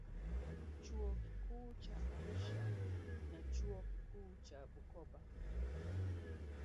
Chuo Kikuu cha Arusha na Chuo Kikuu cha Bukoba